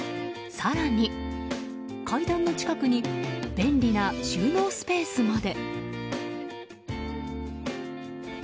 更に、階段の近くに便利な収納スペースまで。